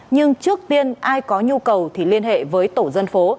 nhưng trước tiên ai có nhu cầu thì liên hệ với tổ dân phố